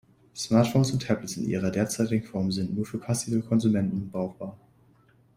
Smartphones und Tablets in ihrer derzeitigen Form sind nur für passive Konsumenten brauchbar.